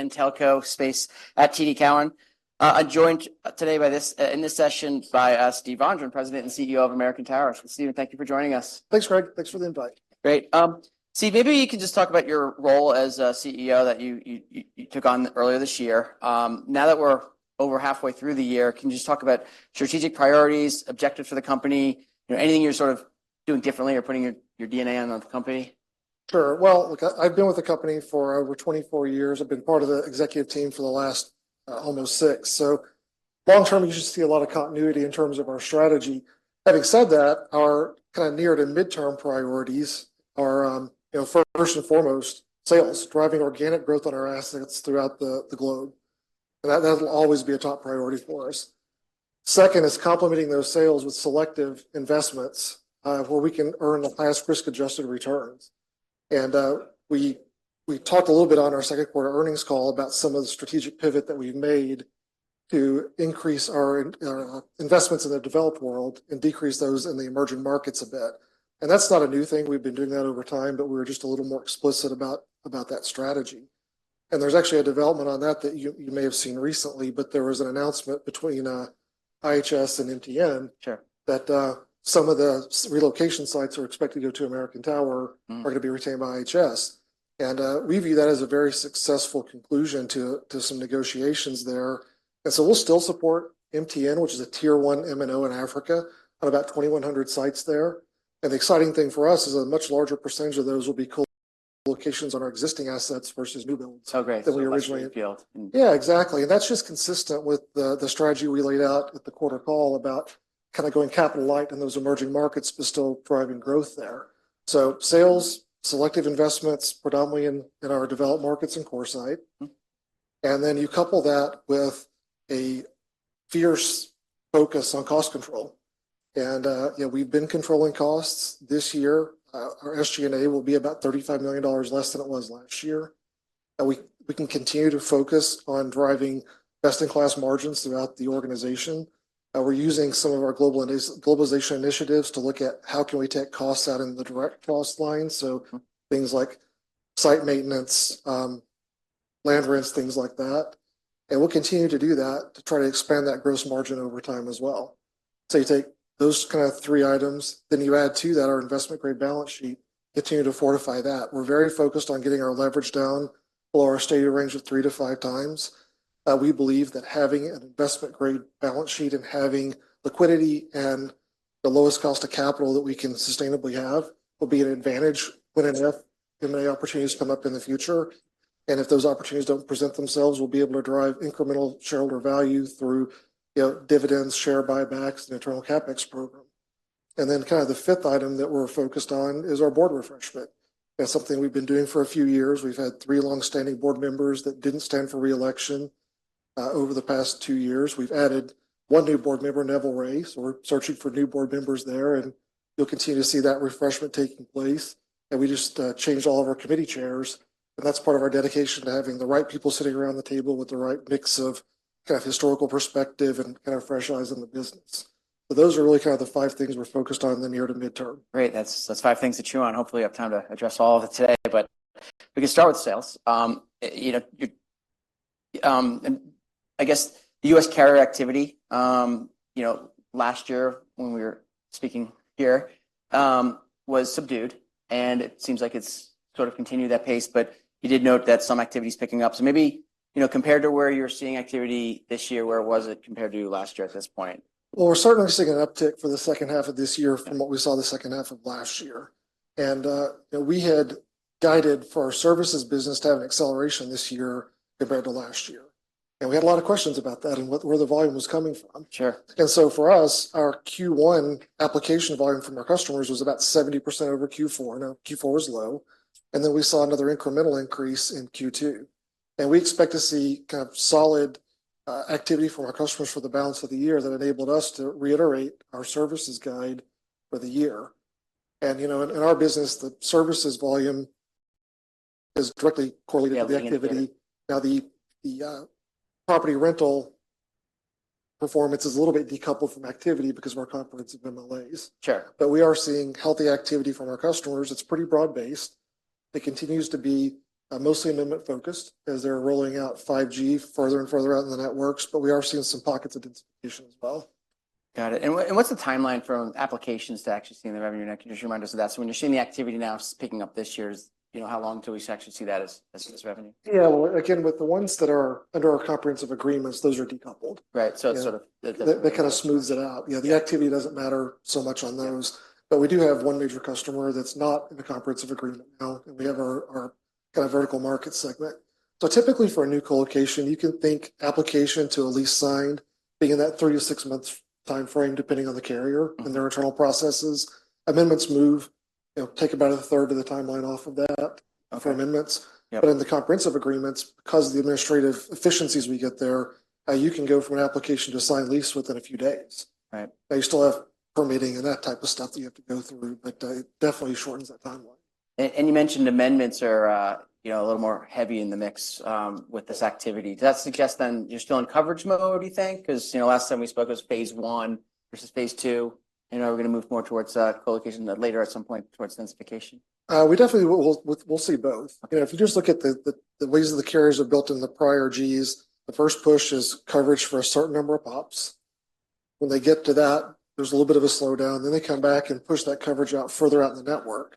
In telco space at TD Cowen. I'm joined today in this session by Steve Vondran, President and CEO of American Tower. Steve, thank you for joining us. Thanks, Gregory. Thanks for the invite. Great. Steve, maybe you can just talk about your role as CEO that you took on earlier this year. Now that we're over halfway through the year, can you just talk about strategic priorities, objectives for the company? You know, anything you're sort of doing differently or putting your DNA on the company? Sure. Well, look, I, I've been with the company for over 24 years. I've been part of the executive team for the last almost six. So long term, you should see a lot of continuity in terms of our strategy. Having said that, our kind of near to midterm priorities are you know first and foremost, sales, driving organic growth on our assets throughout the globe, and that will always be a top priority for us. Second, is complementing those sales with selective investments where we can earn the highest risk-adjusted returns. And we talked a little bit on our second quarter earnings call about some of the strategic pivot that we've made to increase our investments in the developed world and decrease those in the emerging markets a bit. And that's not a new thing. We've been doing that over time, but we're just a little more explicit about that strategy. And there's actually a development on that you may have seen recently, but there was an announcement between IHS and MTN-. Sure That some of the relocation sites are expected to go to American Tower- Mm-hmm Are going to be retained by IHS. And we view that as a very successful conclusion to some negotiations there. And so we'll still support MTN, which is a Tier 1 MNO in Africa, on about 2,100 sites there. And the exciting thing for us is a much larger percentage of those will be co-locations on our existing assets versus new builds- Oh, great That we originally Field. Yeah, exactly. And that's just consistent with the strategy we laid out at the quarter call about kind of going capital light in those emerging markets, but still driving growth there. So sales, selective investments, predominantly in our developed markets and CoreSite. Mm-hmm. Then you couple that with a fierce focus on cost control. And, you know, we've been controlling costs this year. Our SG&A will be about $35 million less than it was last year, and we can continue to focus on driving best-in-class margins throughout the organization. We're using some of our globalization initiatives to look at how can we take costs out in the direct cost line? So Mm-hmm Things like site maintenance, land rents, things like that. And we'll continue to do that to try to expand that gross margin over time as well. So you take those kind of three items, then you add to that our investment-grade balance sheet, continue to fortify that. We're very focused on getting our leverage down to our stated range of three-five times. We believe that having an investment-grade balance sheet and having liquidity and the lowest cost of capital that we can sustainably have will be an advantage when enough M&A opportunities come up in the future. And if those opportunities don't present themselves, we'll be able to derive incremental shareholder value through, you know, dividends, share buybacks, and internal CapEx program. And then, kind of the fifth item that we're focused on is our board refreshment. That's something we've been doing for a few years. We've had three long-standing board members that didn't stand for re-election. Over the past two years, we've added one new board member, Neville Ray. So we're searching for new board members there, and you'll continue to see that refreshment taking place. And we just changed all of our committee chairs, and that's part of our dedication to having the right people sitting around the table with the right mix of kind of historical perspective and kind of fresh eyes in the business. But those are really kind of the five things we're focused on in the near to midterm. Great. That's, that's five things to chew on. Hopefully, I'll have time to address all of it today, but we can start with sales. You know, and I guess U.S. carrier activity, you know, last year when we were speaking here, was subdued, and it seems like it's sort of continued that pace, but you did note that some activity is picking up. So maybe, you know, compared to where you're seeing activity this year, where was it compared to last year at this point? Well, we're certainly seeing an uptick for the second half of this year from what we saw in the second half of last year. And, you know, we had guided for our services business to have an acceleration this year compared to last year. And we had a lot of questions about that and what, where the volume was coming from. Sure. And so for us, our Q1 application volume from our customers was about 70% over Q4. Now, Q4 was low, and then we saw another incremental increase in Q2, and we expect to see kind of solid activity from our customers for the balance of the year that enabled us to reiterate our services guide for the year. And, you know, in our business, the services volume is directly correlated- Yeah... to the activity. Now, the property rental performance is a little bit decoupled from activity because of our comprehensive MLAs. Sure. But we are seeing healthy activity from our customers. It's pretty broad-based. It continues to be, mostly amendment focused as they're rolling out 5G further and further out in the networks, but we are seeing some pockets of distribution as well. Got it. And what's the timeline from applications to actually seeing the revenue? And can you just remind us of that? So when you're seeing the activity now picking up this year, you know, how long till we actually see that as this revenue? Yeah. Well, again, with the ones that are under our comprehensive agreements, those are decoupled. Right. So it's sort of the- That kind of smooths it out. You know, the activity doesn't matter so much on those- Mm-hmm... but we do have one major customer that's not in the comprehensive agreement now. We have our kind of vertical market segment. So typically, for a new co-location, you can think application to a lease signed being in that 3-6 months timeframe, depending on the carrier- Mm-hmm... and their internal processes. Amendments move, you know, take about a third of the timeline off of that- Okay... for amendments. Yep. In the comprehensive agreements, because of the administrative efficiencies we get there, you can go from an application to signed lease within a few days. Right. But you still have permitting and that type of stuff that you have to go through, but it definitely shortens that timeline. You mentioned amendments are, you know, a little more heavy in the mix with this activity. Does that suggest then you're still in coverage mode, do you think? Because, you know, last time we spoke, it was phase one versus phase two, and are we going to move more towards co-location later at some point towards densification? We definitely will. We'll see both. Okay. You know, if you just look at the ways that the carriers are built in the prior Gs, the first push is coverage for a certain number of pops. When they get to that, there's a little bit of a slowdown, then they come back and push that coverage out further out in the network.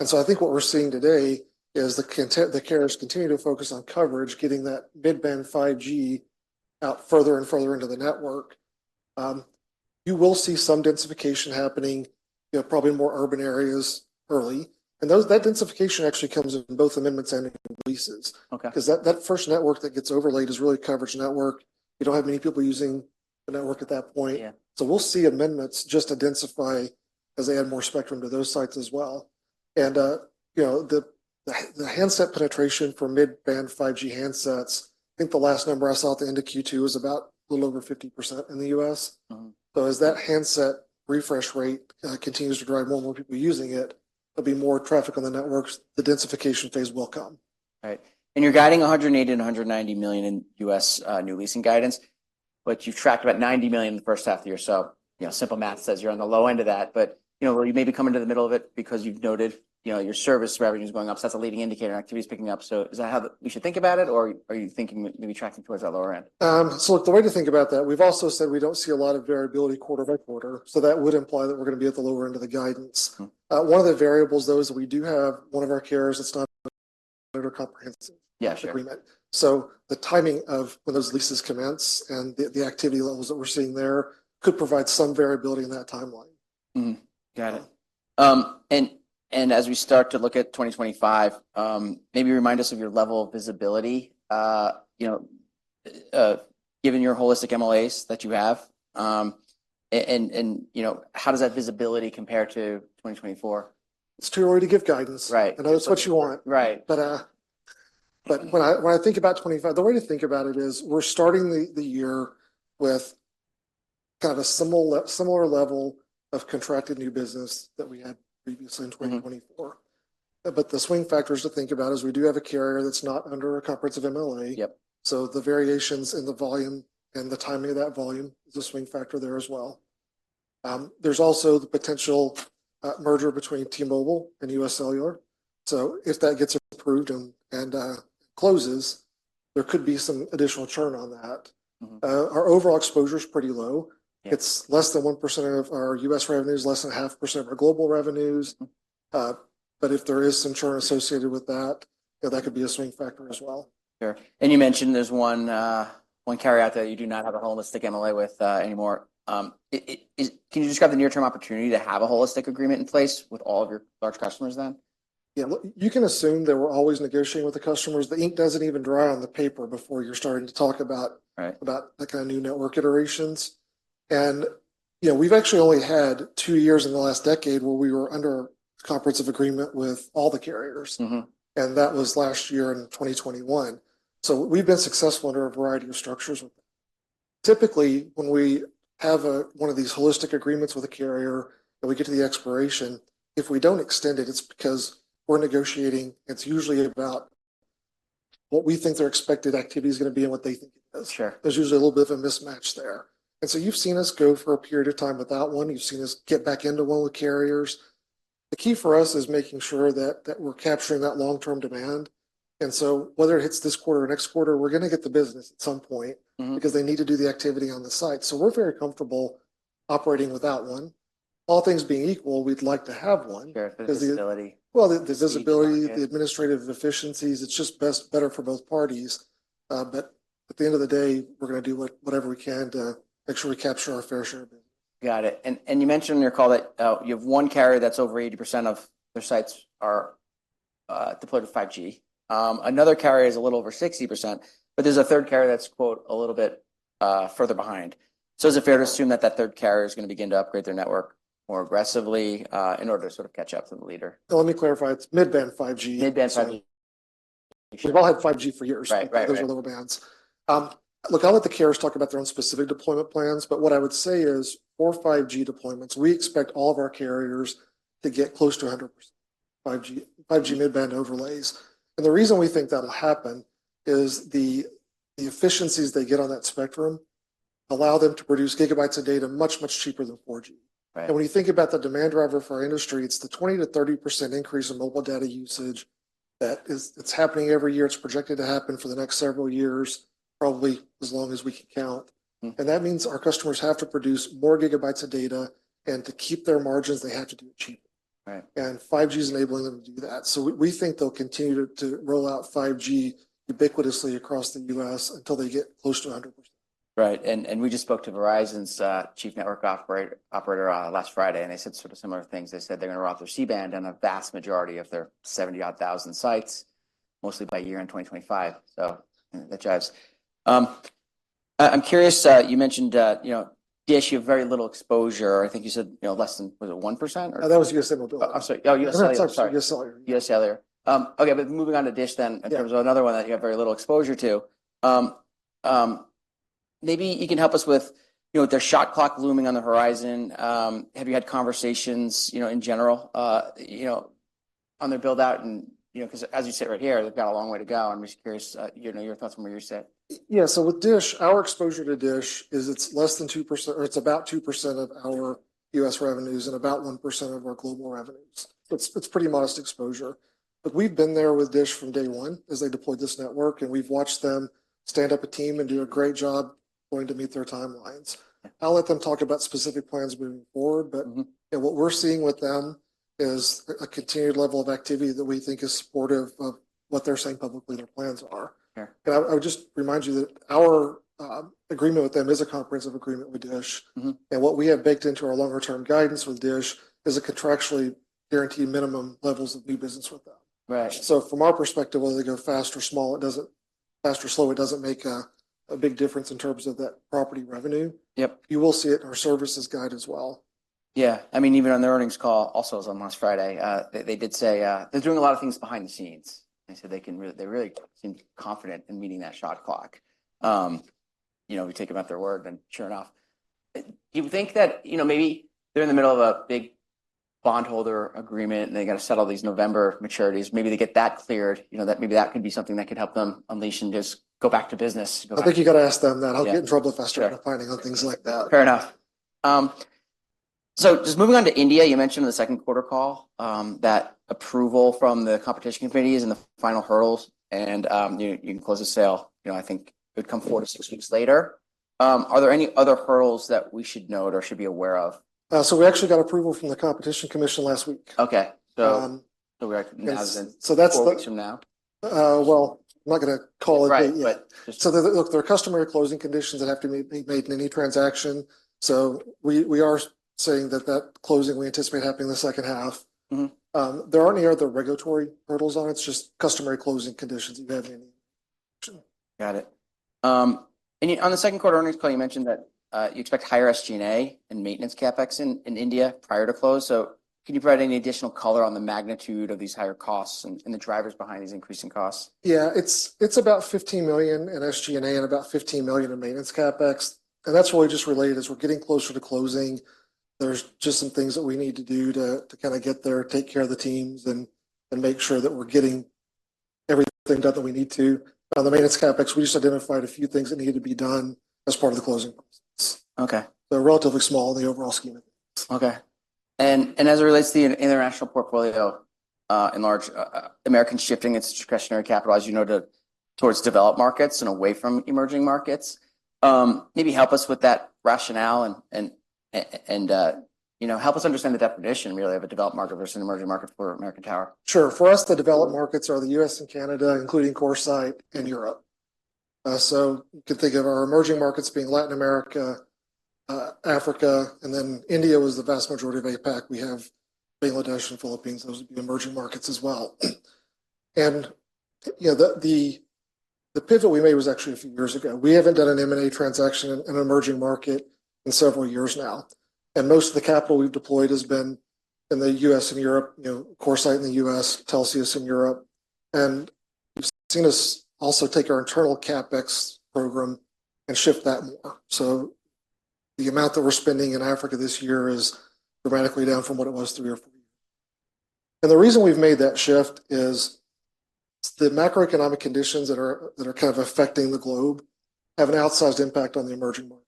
And so I think what we're seeing today is the carriers continue to focus on coverage, getting that mid-band 5G out further and further into the network. You will see some densification happening, you know, probably in more urban areas early, and that densification actually comes in both amendments and in leases. Okay. 'Cause that, that first network that gets overlaid is really a coverage network. You don't have many people using the network at that point. Yeah. So we'll see amendments just to densify as they add more spectrum to those sites as well. And, you know, the handset penetration for mid-band 5G handsets, I think the last number I saw at the end of Q2 was about a little over 50% in the U.S. Mm-hmm. As that handset refresh rate continues to drive more and more people using it, there'll be more traffic on the networks. The densification phase will come. Right. And you're guiding $180 million-$190 million in U.S. new leasing guidance, but you've tracked about $90 million in the first half of the year. So, you know, simple math says you're on the low end of that, but, you know, will you maybe come into the middle of it because you've noted, you know, your service revenue is going up, so that's a leading indicator and activity is picking up. So is that how we should think about it, or are you thinking maybe tracking towards that lower end? So look, the way to think about that, we've also said we don't see a lot of variability quarter by quarter, so that would imply that we're going to be at the lower end of the guidance. Mm-hmm. One of the variables, though, is that we do have one of our carriers that's not under comprehensive- Yeah, sure... agreement. So the timing of when those leases commence and the activity levels that we're seeing there could provide some variability in that timeline. Mm-hmm. Got it. As we start to look at 2025, maybe remind us of your level of visibility. You know, given your holistic MLAs that you have, and you know, how does that visibility compare to 2024? It's too early to give guidance. Right. I know that's what you want. Right. But when I think about 25, the way to think about it is we're starting the year with kind of a similar level of contracted new business that we had previously in 2024. Mm-hmm. But the swing factors to think about is we do have a carrier that's not under a comprehensive MLA. Yep. So the variations in the volume and the timing of that volume is a swing factor there as well. There's also the potential merger between T-Mobile and USCellular. So if that gets approved and closes, there could be some additional churn on that. Mm-hmm. Our overall exposure is pretty low. Yeah. It's less than 1% of our U.S. revenues, less than 0.5% of our global revenues. Mm-hmm. But if there is some churn associated with that, yeah, that could be a swing factor as well. Sure. And you mentioned there's one carrier out there you do not have a holistic MLA with anymore. Can you describe the near-term opportunity to have a holistic agreement in place with all of your large customers, then? Yeah. Look, you can assume that we're always negotiating with the customers. The ink doesn't even dry on the paper before you're starting to talk about... Right... about that kind of new network iterations. You know, we've actually only had two years in the last decade where we were under a comprehensive agreement with all the carriers. Mm-hmm. That was last year in 2021. We've been successful under a variety of structures. Typically, when we have a one of these holistic agreements with a carrier, and we get to the expiration, if we don't extend it, it's because we're negotiating. It's usually about what we think their expected activity is going to be and what they think it is. Sure. There's usually a little bit of a mismatch there. And so you've seen us go for a period of time without one. You've seen us get back into one of the carriers. The key for us is making sure that, that we're capturing that long-term demand. And so whether it hits this quarter or next quarter, we're going to get the business at some point— Mm-hmm... because they need to do the activity on the site. So we're very comfortable operating without one. All things being equal, we'd like to have one- Sure, for the visibility. Well, the visibility- Market... the administrative efficiencies, it's just best, better for both parties. But at the end of the day, we're going to do whatever we can to make sure we capture our fair share. Got it, and, and you mentioned in your call that, you have one carrier that's over 80% of their sites are deployed to 5G. Another carrier is a little over 60%, but there's a third carrier that's, quote, "A little bit, further behind." So is it fair to assume that that third carrier is going to begin to upgrade their network more aggressively, in order to sort of catch up to the leader? Let me clarify. It's mid-band 5G. Mid-band 5G. We've all had 5G for years. Right. Right, right. Those are lower bands. Look, I'll let the carriers talk about their own specific deployment plans, but what I would say is for 5G deployments, we expect all of our carriers to get close to 100% 5G mid-band overlays. And the reason we think that'll happen is the efficiencies they get on that spectrum allow them to produce gigabytes of data much, much cheaper than 4G. Right. When you think about the demand driver for our industry, it's the 20%-30% increase in mobile data usage that's happening every year. It's projected to happen for the next several years, probably as long as we can count. Mm-hmm. That means our customers have to produce more gigabytes of data, and to keep their margins, they have to do it cheaper. Right. 5G is enabling them to do that. So we think they'll continue to roll out 5G ubiquitously across the U.S. until they get close to 100%. Right, and we just spoke to Verizon's chief network operator last Friday, and they said sort of similar things. They said they're going to roll out their C-band on a vast majority of their 70-odd thousand sites, mostly by year-end 2025. So that jives. I'm curious, you mentioned, you know, DISH, you have very little exposure. I think you said, you know, less than, was it 1%, or? That was UScellular. I'm sorry. Oh, U.S.- US Cellular. U.S. cellular. Okay, but moving on to DISH, then- Yeah... in terms of another one that you have very little exposure to, maybe you can help us with, you know, with their shot clock looming on the horizon, have you had conversations, you know, in general, on their build out, and, you know, 'cause as you sit right here, they've got a long way to go. I'm just curious, your thoughts from where you sit. Yeah, so with DISH, our exposure to DISH is it's less than 2%, or it's about 2% of our U.S. revenues and about 1% of our global revenues. It's, it's pretty modest exposure. But we've been there with DISH from day one as they deployed this network, and we've watched them stand up a team and do a great job going to meet their timelines. Yeah. I'll let them talk about specific plans moving forward, but- Mm-hmm... but what we're seeing with them is a continued level of activity that we think is supportive of what they're saying publicly, their plans are. Yeah. I would just remind you that our agreement with them is a comprehensive agreement with Dish. Mm-hmm. What we have baked into our longer-term guidance with Dish is a contractually guaranteed minimum levels of new business with them. Right. So from our perspective, whether they go fast or slow, it doesn't make a big difference in terms of that property revenue. Yep. You will see it in our services guide as well. Yeah. I mean, even on their earnings call, also was on last Friday, they did say they're doing a lot of things behind the scenes. They said they can really, they really seem confident in meeting that shot clock. You know, we take them at their word, then sure enough. Do you think that, you know, maybe they're in the middle of a big bondholder agreement, and they gotta settle these November maturities, maybe they get that cleared? You know, that maybe that could be something that could help them unleash and just go back to business? I think you've got to ask them that. Yeah. I'll get in trouble faster- Sure... for commenting on things like that. Fair enough. So just moving on to India, you mentioned on the second quarter call that approval from the competition committee is in the final hurdles, and you can close the sale. You know, I think it would come four-six weeks later. Are there any other hurdles that we should note or should be aware of? We actually got approval from the Competition Commission last week. Okay. Um- So- So we're- So that's- Four weeks from now? Well, I'm not gonna call it yet. Right, but- So, look, there are customary closing conditions that have to be made in any transaction. So we are saying that closing we anticipate happening in the second half. Mm-hmm. There aren't any other regulatory hurdles on it; it's just customary closing conditions then. Got it. On the second quarter earnings call, you mentioned that you expect higher SG&A and maintenance CapEx in India prior to close. So can you provide any additional color on the magnitude of these higher costs and the drivers behind these increasing costs? Yeah. It's about $15 million in SG&A and about $15 million in maintenance CapEx, and that's really just related. As we're getting closer to closing, there's just some things that we need to do to kind of get there, take care of the teams, and make sure that we're getting everything done that we need to. On the maintenance CapEx, we just identified a few things that needed to be done as part of the closing costs. Okay. They're relatively small in the overall scheme. Okay. And as it relates to the international portfolio, regarding American shifting its discretionary capital, as you know, towards developed markets and away from emerging markets, maybe help us with that rationale and you know, help us understand the definition really of a developed market versus an emerging market for American Tower. Sure. For us, the developed markets are the U.S. and Canada, including CoreSite and Europe. So you can think of our emerging markets being Latin America, Africa, and then India was the vast majority of APAC. We have Bangladesh and Philippines, those would be emerging markets as well. And, you know, the pivot we made was actually a few years ago. We haven't done an M&A transaction in an emerging market in several years now, and most of the capital we've deployed has been in the U.S. and Europe, you know, CoreSite in the U.S., Telxius in Europe. And you've seen us also take our internal CapEx program and shift that more. So the amount that we're spending in Africa this year is dramatically down from what it was three or four years. The reason we've made that shift is the macroeconomic conditions that are kind of affecting the globe have an outsized impact on the emerging market.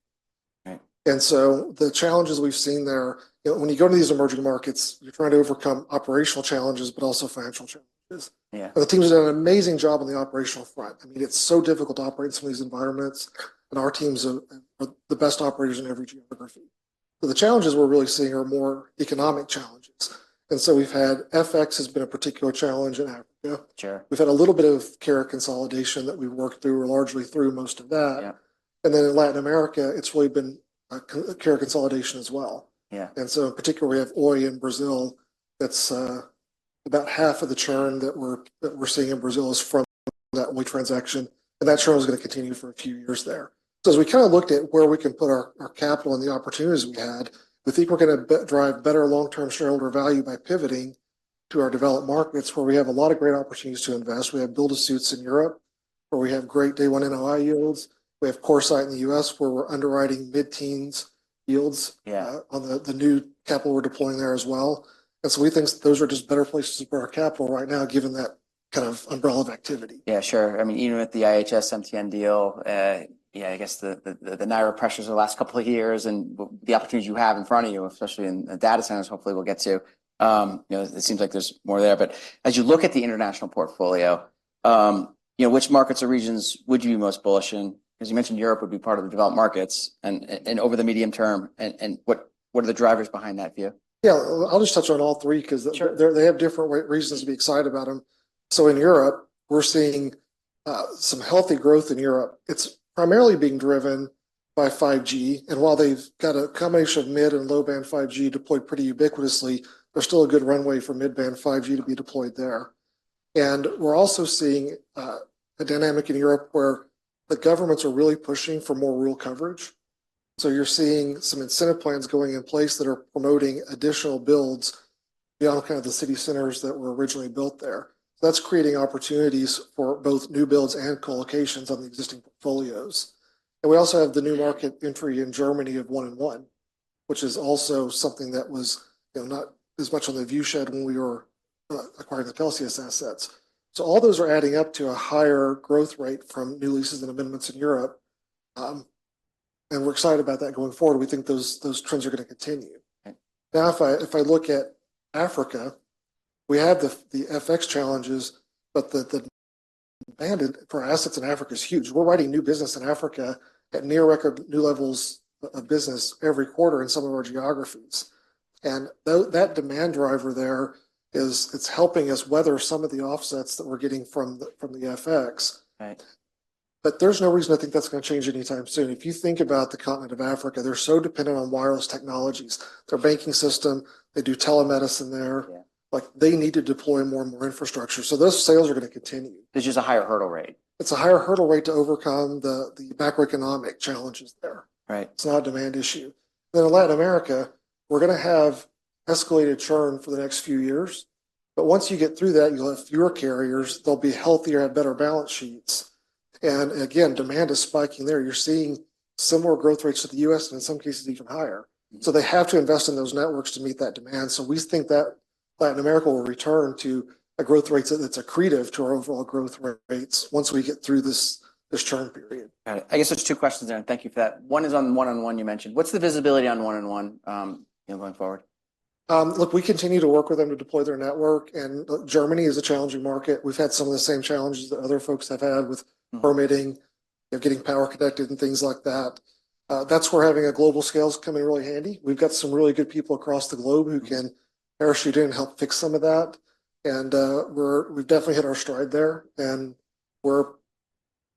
Right. The challenges we've seen there... When you go to these emerging markets, you're trying to overcome operational challenges, but also financial challenges. Yeah. But the team has done an amazing job on the operational front. I mean, it's so difficult to operate in some of these environments, and our teams are the best operators in every geography. But the challenges we're really seeing are more economic challenges, and so we've had. FX has been a particular challenge in Africa. Sure. We've had a little bit of carrier consolidation that we worked through, largely through most of that. Yeah. And then in Latin America, it's really been a carrier consolidation as well. Yeah. And so in particular, we have Oi in Brazil. That's about half of the churn that we're seeing in Brazil is from that Oi transaction, and that churn is gonna continue for a few years there. So as we kind of looked at where we can put our capital and the opportunities we had, we think we're gonna drive better long-term shareholder value by pivoting to our developed markets, where we have a lot of great opportunities to invest. We have build-to-suits in Europe, where we have great day-one NOI yields. We have CoreSite in the U.S., where we're underwriting mid-teens yields- Yeah... on the new capital we're deploying there as well. And so we think those are just better places to grow our capital right now, given that kind of umbrella of activity. Yeah, sure. I mean, even with the IHS MTN deal, yeah, I guess the narrower pressures over the last couple of years and the opportunities you have in front of you, especially in the data centers, hopefully we'll get to, you know, it seems like there's more there. But as you look at the international portfolio, you know, which markets or regions would you be most bullish in? 'Cause you mentioned Europe would be part of the developed markets and over the medium term, and what are the drivers behind that view? Yeah. I'll just touch on all three, 'cause- Sure... they're, they have different reasons to be excited about them. So in Europe, we're seeing some healthy growth in Europe. It's primarily being driven by 5G, and while they've got a combination of mid- and low-band 5G deployed pretty ubiquitously, there's still a good runway for mid-band 5G to be deployed there. And we're also seeing a dynamic in Europe, where the governments are really pushing for more rural coverage. So you're seeing some incentive plans going in place that are promoting additional builds beyond kind of the city centers that were originally built there. That's creating opportunities for both new builds and co-locations on the existing portfolios. And we also have the new market entry in Germany of 1&1.... which is also something that was, you know, not as much on the view shed when we were acquiring the Telxius assets. So all those are adding up to a higher growth rate from new leases and amendments in Europe. And we're excited about that going forward. We think those, those trends are gonna continue. Right. Now, if I look at Africa, we had the FX challenges, but the demand for assets in Africa is huge. We're writing new business in Africa at near record new levels of business every quarter in some of our geographies. And though that demand driver there is, it's helping us weather some of the offsets that we're getting from the FX. Right. But there's no reason I think that's gonna change anytime soon. If you think about the continent of Africa, they're so dependent on wireless technologies, their banking system, they do telemedicine there. Yeah. Like, they need to deploy more and more infrastructure. So those sales are gonna continue. It's just a higher hurdle rate. It's a higher hurdle rate to overcome the macroeconomic challenges there. Right. It's not a demand issue. In Latin America, we're gonna have escalated churn for the next few years, but once you get through that, you'll have fewer carriers. They'll be healthier, have better balance sheets. And again, demand is spiking there. You're seeing similar growth rates to the U.S., and in some cases, even higher. Mm. So they have to invest in those networks to meet that demand. So we think that Latin America will return to a growth rate that's accretive to our overall growth rates once we get through this churn period. Got it. I guess there's two questions there, and thank you for that. One is on 1&1 you mentioned. What's the visibility on 1&1, you know, going forward? Look, we continue to work with them to deploy their network, and Germany is a challenging market. We've had some of the same challenges that other folks have had with- Mm... permitting, you know, getting power connected and things like that. That's where having a global scale is coming in really handy. We've got some really good people across the globe- Mm... who can parachute in and help fix some of that. We've definitely hit our stride there, and we're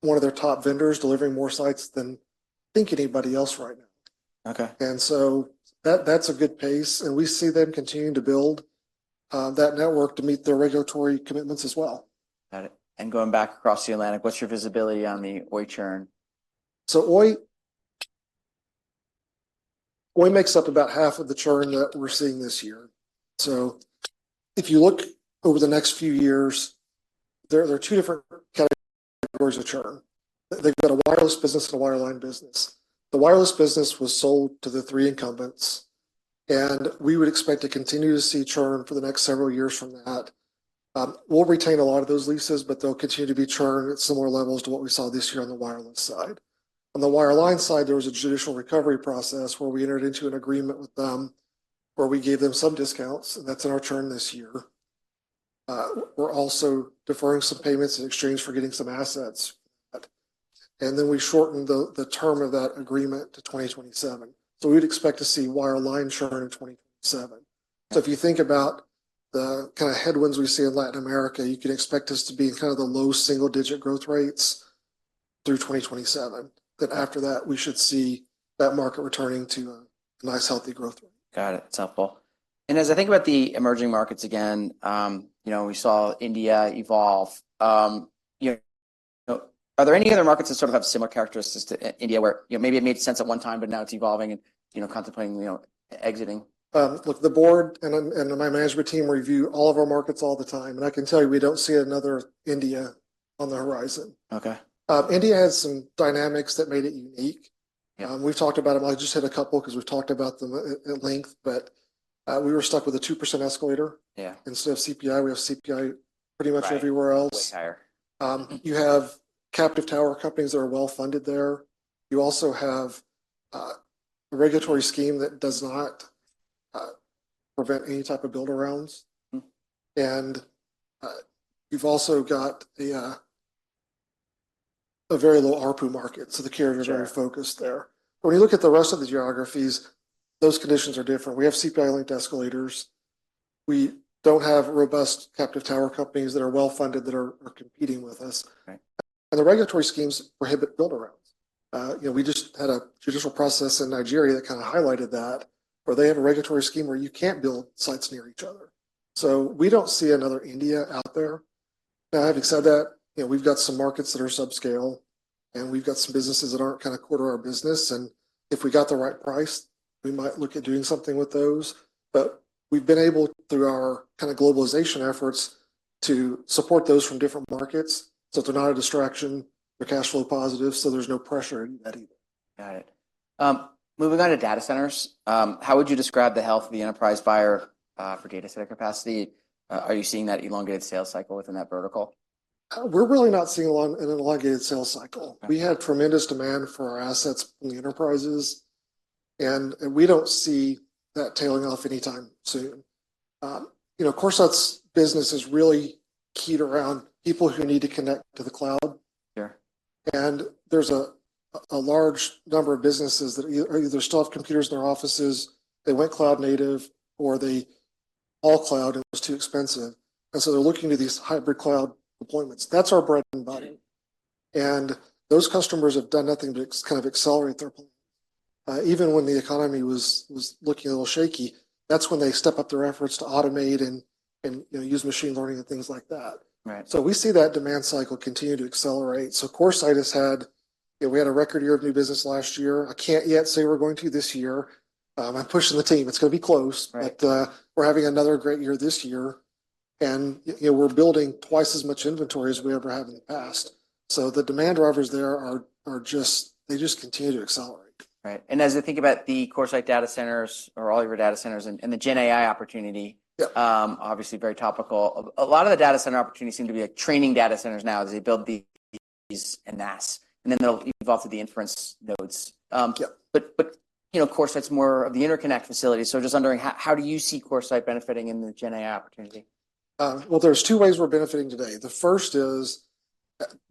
one of their top vendors, delivering more sites than, I think, anybody else right now. Okay. And so that's a good pace, and we see them continuing to build that network to meet their regulatory commitments as well. Got it. Going back across the Atlantic, what's your visibility on the Oi churn? So, Oi makes up about half of the churn that we're seeing this year. So if you look over the next few years, there are two different categories of churn. They've got a wireless business and a wireline business. The wireless business was sold to the three incumbents, and we would expect to continue to see churn for the next several years from that. We'll retain a lot of those leases, but they'll continue to be churned at similar levels to what we saw this year on the wireless side. On the wireline side, there was a judicial recovery process where we entered into an agreement with them, where we gave them some discounts, and that's in our churn this year. We're also deferring some payments in exchange for getting some assets. Then, we shortened the term of that agreement to 2027. So we'd expect to see wireline churn in 2027. So if you think about the kinda headwinds we see in Latin America, you can expect us to be in kind of the low single-digit growth rates through 2027. Then after that, we should see that market returning to a nice, healthy growth rate. Got it. That's helpful. As I think about the emerging markets again, you know, we saw India evolve. You know, are there any other markets that sort of have similar characteristics to India, where, you know, maybe it made sense at one time, but now it's evolving and, you know, contemplating, you know, exiting? Look, the board and my management team review all of our markets all the time, and I can tell you, we don't see another India on the horizon. Okay. India has some dynamics that made it unique. Yeah. We've talked about them. I'll just hit a couple because we've talked about them at length. But, we were stuck with a 2% escalator- Yeah... instead of CPI. We have CPI pretty much everywhere else. Right, way higher. You have captive tower companies that are well-funded there. You also have a regulatory scheme that does not prevent any type of build-arounds. Mm. You've also got a very low ARPU market, so the carriers- Sure... are very focused there. When you look at the rest of the geographies, those conditions are different. We have CPI-linked escalators. We don't have robust captive tower companies that are well-funded, that are competing with us. Right. The regulatory schemes prohibit build-arounds. You know, we just had a judicial process in Nigeria that kinda highlighted that, where they have a regulatory scheme where you can't build sites near each other. So we don't see another India out there. Now, having said that, you know, we've got some markets that are subscale, and we've got some businesses that aren't kinda core to our business, and if we got the right price, we might look at doing something with those. But we've been able, through our kinda globalization efforts, to support those from different markets, so they're not a distraction. They're cash flow positive, so there's no pressure in that either. Got it. Moving on to data centers, how would you describe the health of the enterprise buyer for data center capacity? Are you seeing that elongated sales cycle within that vertical? We're really not seeing an elongated sales cycle. Okay. We had tremendous demand for our assets from the enterprises, and we don't see that tailing off anytime soon. You know, CoreSite's business is really keyed around people who need to connect to the cloud. Sure. There's a large number of businesses that either still have computers in their offices, they went cloud native, or they all cloud, and it was too expensive, and so they're looking to these hybrid cloud deployments. That's our bread and butter. Right. Those customers have done nothing but kind of accelerate their plans. Even when the economy was looking a little shaky, that's when they step up their efforts to automate and, you know, use machine learning and things like that. Right. So we see that demand cycle continue to accelerate. CoreSite has had... You know, we had a record year of new business last year. I can't yet say we're going to this year. I'm pushing the team. It's gonna be close. Right. We're having another great year this year, and, you know, we're building twice as much inventory as we ever have in the past. So the demand drivers there are just they just continue to accelerate. Right. And as I think about the CoreSite data centers or all your data centers, and, and the GenAI opportunity- Yeah ... obviously very topical. A lot of the data center opportunities seem to be, like, training data centers now, as they build these en masse, and then they'll evolve to the inference nodes. Yeah But you know, of course, that's more of the interconnect facility. So just wondering, how do you see CoreSite benefiting in the GenAI opportunity? Well, there's two ways we're benefiting today. The first is,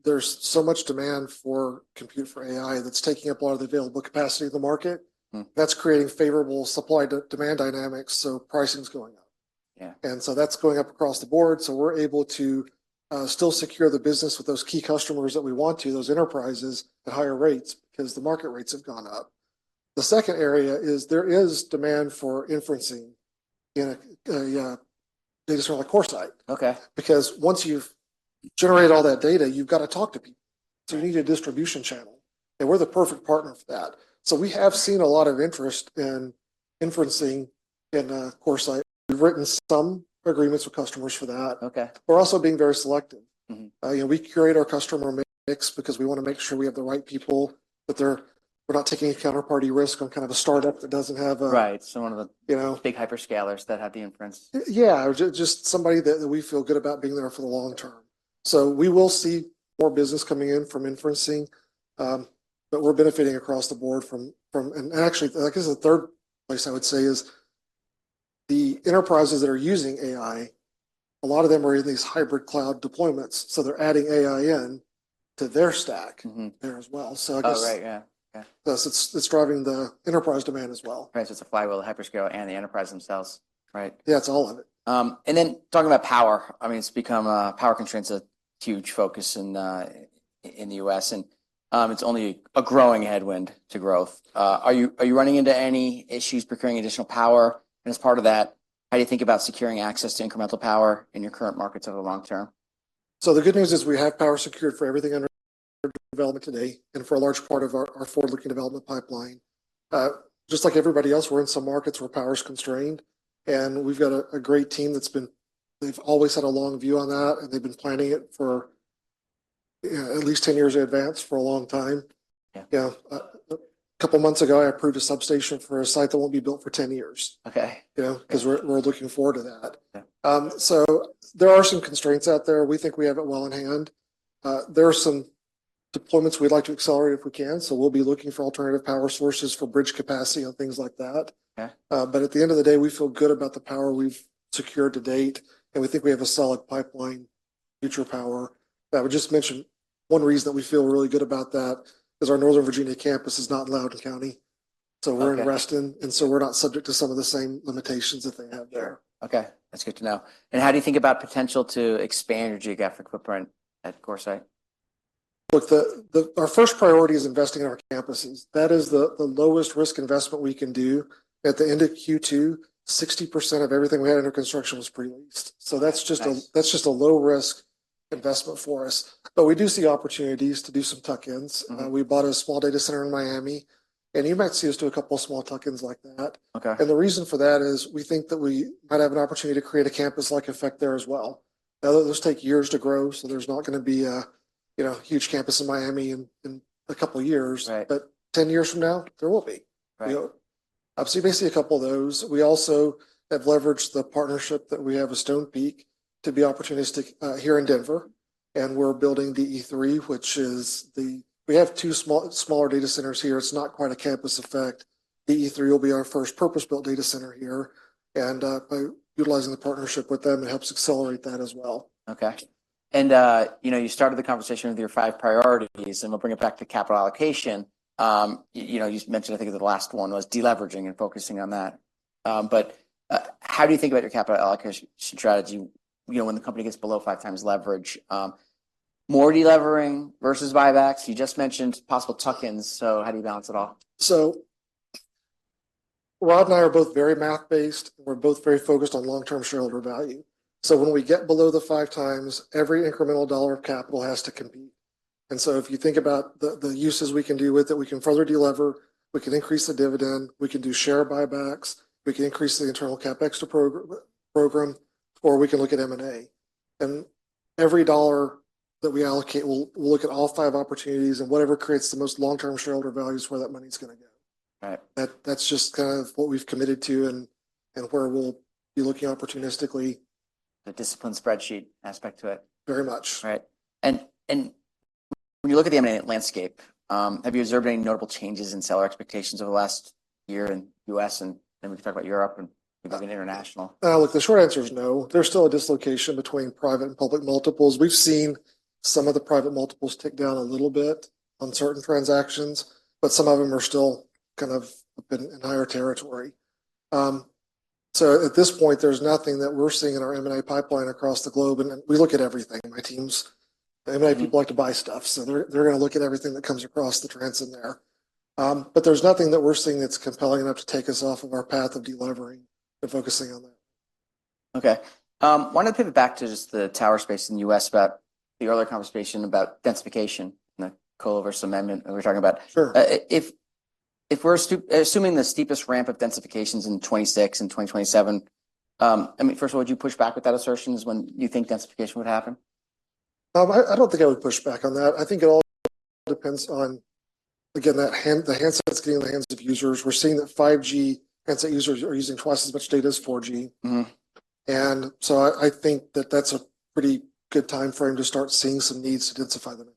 there's so much demand for compute for AI that's taking up a lot of the available capacity of the market. Mm. That's creating favorable supply-demand dynamics, so pricing's going up. Yeah. And so that's going up across the board, so we're able to still secure the business with those key customers that we want to, those enterprises, at higher rates, because the market rates have gone up. The second area is there is demand for inferencing in a data center like CoreSite. Okay. Because once you've generated all that data, you've got to talk to people. So you need a distribution channel, and we're the perfect partner for that. So we have seen a lot of interest in inferencing in CoreSite. We've written some agreements with customers for that. Okay. We're also being very selective. Mm-hmm. You know, we curate our customer mix because we want to make sure we have the right people, we're not taking any counterparty risk on kind of a startup that doesn't have a- Right, so one of the- You know... big hyperscalers that have the inference. Yeah, or just somebody that we feel good about being there for the long term. So we will see more business coming in from inferencing, but we're benefiting across the board from... And actually, like, this is the third place, I would say, is the enterprises that are using AI. A lot of them are in these hybrid cloud deployments, so they're adding AI into their stack- Mm-hmm... there as well. So I guess- Oh, right, yeah, yeah. Yes, it's, it's driving the enterprise demand as well. Right, so it's a flywheel, the hyperscalers and the enterprise themselves, right? Yeah, it's all of it. And then talking about power, I mean, it's become power constraints, a huge focus in the U.S., and it's only a growing headwind to growth. Are you running into any issues procuring additional power? And as part of that, how do you think about securing access to incremental power in your current markets over the long term? The good news is we have power secured for everything under development today, and for a large part of our forward-looking development pipeline. Just like everybody else, we're in some markets where power is constrained, and we've got a great team that's always had a long view on that, and they've been planning it for, yeah, at least 10 years in advance for a long time. Yeah. You know, a couple months ago, I approved a substation for a site that won't be built for 10 years. Okay. You know, 'cause we're, we're looking forward to that. Yeah. There are some constraints out there. We think we have it well in hand. There are some deployments we'd like to accelerate if we can, so we'll be looking for alternative power sources for bridge capacity and things like that. Okay. But at the end of the day, we feel good about the power we've secured to date, and we think we have a solid pipeline, future power. I would just mention, one reason that we feel really good about that is our Northern Virginia campus is not in Loudoun County. Okay. We're in Reston, and so we're not subject to some of the same limitations that they have there. Okay, that's good to know. And how do you think about potential to expand your geographic footprint at CoreSite? Look, our first priority is investing in our campuses. That is the lowest risk investment we can do. At the end of Q2, 60% of everything we had under construction was pre-leased. Nice. So that's just a, that's just a low-risk investment for us. But we do see opportunities to do some tuck-ins. Mm-hmm. We bought a small data center in Miami, and you might see us do a couple of small tuck-ins like that. Okay. The reason for that is, we think that we might have an opportunity to create a campus-like effect there as well. Now, those take years to grow, so there's not gonna be a, you know, huge campus in Miami in a couple years. Right. 10 years from now, there will be. Right. You know, so you may see a couple of those. We also have leveraged the partnership that we have with Stonepeak to be opportunistic here in Denver, and we're building the E3, which is the, we have two small, smaller data centers here. It's not quite a campus effect. The E3 will be our first purpose-built data center here, and by utilizing the partnership with them, it helps accelerate that as well. Okay. And, you know, you started the conversation with your five priorities, and we'll bring it back to capital allocation. You know, you just mentioned, I think, the last one was deleveraging and focusing on that. But, how do you think about your capital allocation strategy, you know, when the company gets below five times leverage? More delevering versus buybacks. You just mentioned possible tuck-ins, so how do you balance it all? So, Rod and I are both very math-based. We're both very focused on long-term shareholder value. So when we get below the five times, every incremental dollar of capital has to compete. And so if you think about the uses we can do with it, we can further delever, we can increase the dividend, we can do share buybacks, we can increase the internal CapEx to program, or we can look at M&A. And every dollar that we allocate, we'll look at all five opportunities, and whatever creates the most long-term shareholder value is where that money's gonna go. Right. That, that's just kind of what we've committed to and where we'll be looking opportunistically. The discipline spreadsheet aspect to it. Very much. Right. And, and when you look at the M&A landscape, have you observed any notable changes in seller expectations over the last year in U.S.? And then we can talk about Europe and- Okay... international. Look, the short answer is no. There's still a dislocation between private and public multiples. We've seen some of the private multiples tick down a little bit on certain transactions, but some of them are still kind of up in a higher territory. So at this point, there's nothing that we're seeing in our M&A pipeline across the globe. And we look at everything. My teams, M&A people like to buy stuff, so they're gonna look at everything that comes across the transom there. But there's nothing that we're seeing that's compelling enough to take us off of our path of delevering and focusing on that. Okay. Why don't we pivot back to just the tower space in the U.S. about the earlier conversation about densification, and the coverage amendment that we're talking about? Sure. If we're assuming the steepest ramp of densifications in 2026 and 2027, I mean, first of all, would you push back with that assertion when you think densification would happen? I don't think I would push back on that. I think it all depends on, again, the handsets getting in the hands of users. We're seeing that 5G handset users are using twice as much data as 4G. Mm-hmm. So I think that that's a pretty good timeframe to start seeing some needs to densify them.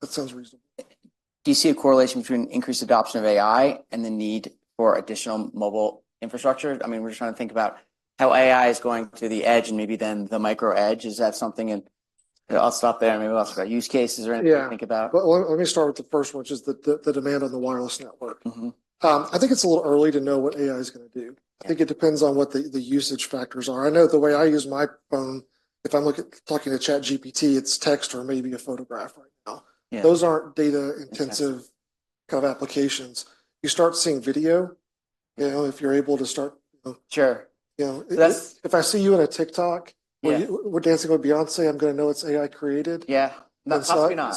That sounds reasonable. Do you see a correlation between increased adoption of AI and the need for additional mobile infrastructure? I mean, we're just trying to think about how AI is going to the edge and maybe then the micro edge. Is that something? I'll stop there, and maybe we'll ask about use cases or anything- Yeah to think about. Well, let me start with the first one, which is the demand on the wireless network. Mm-hmm. I think it's a little early to know what AI is gonna do. Yeah. I think it depends on what the usage factors are. I know the way I use my phone, if I'm talking to ChatGPT, it's text or maybe a photograph right now. Yeah. Those aren't data-intensive. Got it... kind of applications. You start seeing video, you know, if you're able to start- Sure... you know- That's- If I see you in a TikTok- Yeah... where you, you're dancing with Beyoncé, I'm gonna know it's AI-created. Yeah. But possibly not.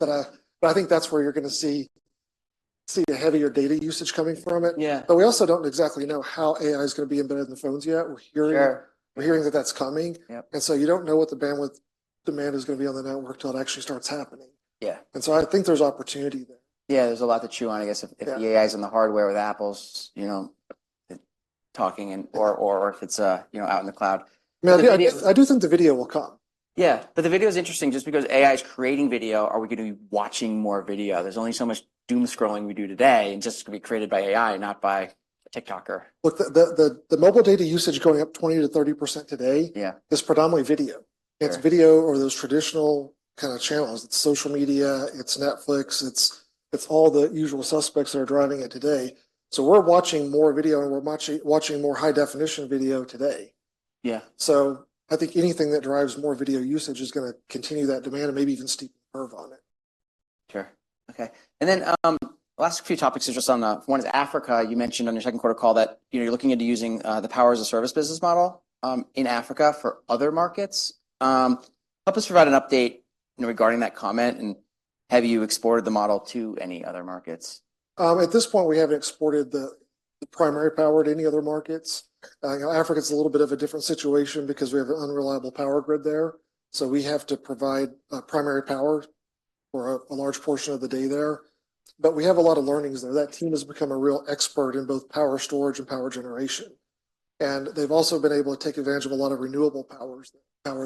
But I think that's where you're gonna see the heavier data usage coming from it. Yeah. But we also don't exactly know how AI is gonna be embedded in the phones yet. We're hearing- Sure... we're hearing that, that's coming. Yep. And so you don't know what the bandwidth demand is gonna be on the network till it actually starts happening. Yeah. I think there's opportunity there. Yeah, there's a lot to chew on, I guess. Yeah... if the AI is in the hardware with Apple's, you know, talking and, or if it's, you know, out in the cloud. Yeah- The video... I do think the video will come. Yeah, but the video is interesting. Just because AI is creating video, are we gonna be watching more video? There's only so much doom scrolling we do today, and just gonna be created by AI, not by a TikToker. Look, the mobile data usage is going up 20%-30% today- Yeah... is predominantly video. Yeah. It's video or those traditional kind of channels. It's social media, it's Netflix, it's all the usual suspects that are driving it today. So we're watching more video, and we're watching more high-definition video today. Yeah. I think anything that drives more video usage is gonna continue that demand and maybe even steep the curve on it. Sure. Okay. And then, last few topics are just on the... One is Africa. You mentioned on your second quarter call that, you know, you're looking into using, the power as a service business model, in Africa for other markets. Help us provide an update, you know, regarding that comment, and have you exported the model to any other markets? At this point, we haven't exported the primary power to any other markets. You know, Africa is a little bit of a different situation because we have an unreliable power grid there, so we have to provide primary power for a large portion of the day there. But we have a lot of learnings there. That team has become a real expert in both power storage and power generation, and they've also been able to take advantage of a lot of renewable power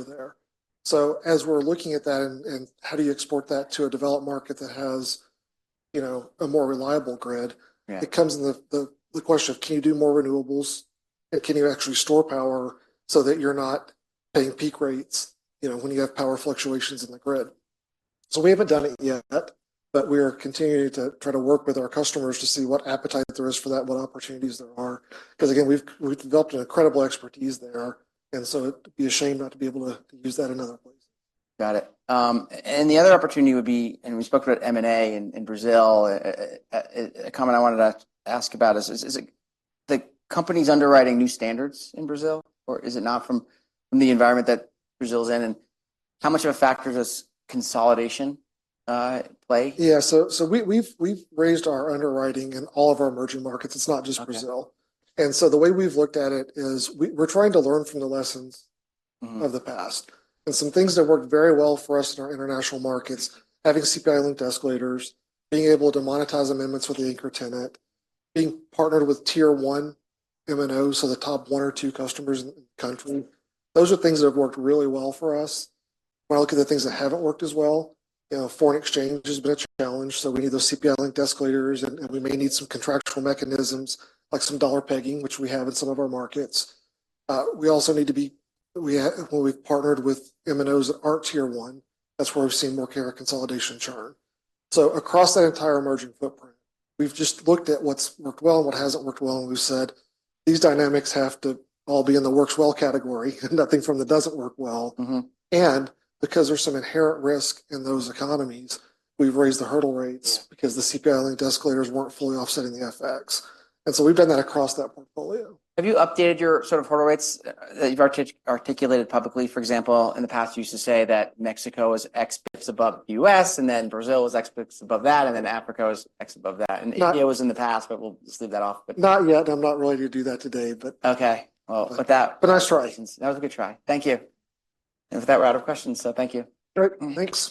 there. So as we're looking at that, and how do you export that to a developed market that has, you know, a more reliable grid- Yeah... it comes in the question of: Can you do more renewables, and can you actually store power so that you're not paying peak rates, you know, when you have power fluctuations in the grid? So we haven't done it yet, but we are continuing to try to work with our customers to see what appetite there is for that, what opportunities there are. 'Cause again, we've developed an incredible expertise there, and so it'd be a shame not to be able to use that in other places. Got it. And the other opportunity would be, and we spoke about M&A in Brazil. A comment I wanted to ask about is it the company's underwriting new standards in Brazil, or is it not from the environment that Brazil is in? And how much of a factor does consolidation play? Yeah, so we've raised our underwriting in all of our emerging markets, it's not just Brazil. Okay. So the way we've looked at it is we're trying to learn from the lessons- Mm-hmm... of the past. Some things that worked very well for us in our international markets, having CPI-linked escalators, being able to monetize amendments with the anchor tenant, being partnered with Tier One MNO, so the top one or two customers in the country, those are things that have worked really well for us. When I look at the things that haven't worked as well, you know, foreign exchange has been a challenge, so we need those CPI-linked escalators, and we may need some contractual mechanisms, like some dollar pegging, which we have in some of our markets. We also need to, when we've partnered with MNOs that aren't Tier One, that's where we've seen more carrier consolidation churn. So across that entire emerging footprint, we've just looked at what's worked well and what hasn't worked well, and we've said, "These dynamics have to all be in the works well category, and nothing from the doesn't work well. Mm-hmm. Because there's some inherent risk in those economies, we've raised the hurdle rates- Yeah... because the CPI-linked escalators weren't fully offsetting the FX. And so we've done that across that portfolio. Have you updated your sort of hurdle rates that you've articulated publicly? For example, in the past, you used to say that Mexico is X base above U.S., and then Brazil is X base above that, and then Africa was X above that. Not- India was in the past, but we'll just leave that off. Not yet. I'm not ready to do that today, but- Okay. Well, but that- But I try. That was a good try. Thank you. With that, we're out of questions, so thank you. All right, thanks.